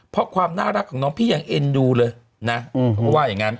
เพราะความน่ารักของน้องพี่ยังเอ็นดูเลยนะเขาก็ว่าอย่างงั้น